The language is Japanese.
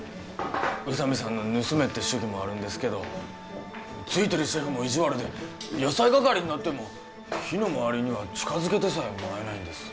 宇佐美さんの盗めって主義もあるんですけどついてるシェフも意地悪で野菜係になっても火の周りには近づけてさえもらえないんです